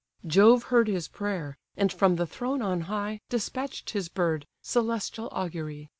Jove heard his prayer, and from the throne on high, Despatch'd his bird, celestial augury!